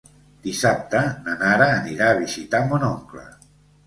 Dissabte na Nara anirà a visitar mon oncle.